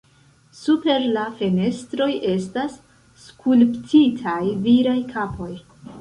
Super la fenestroj estas skulptitaj viraj kapoj.